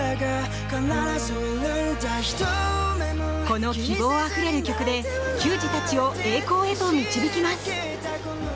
この希望あふれる曲で球児たちを栄光へと導きます。